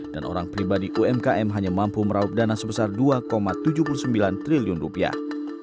dan orang pribadi umkm hanya mampu meraup dana sebesar dua tujuh puluh sembilan triliun rupiah